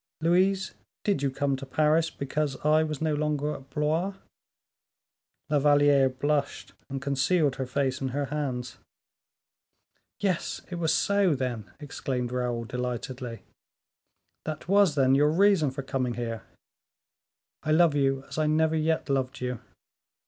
Louise, did you come to Paris because I was no longer at Blois?" La Valliere blushed and concealed her face in her hands. "Yes, it was so, then!" exclaimed Raoul, delightedly; "that was, then, your reason for coming here. I love you as I never yet loved you.